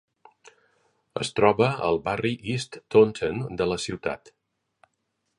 Es troba al barri "East Taunton" de la ciutat.